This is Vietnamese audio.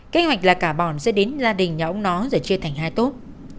kế hoạch là cả bọn sẽ đến gia đình nhà ông nó rồi chia thành hai tốt